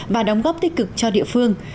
và đóng góp tích cực cho địa phương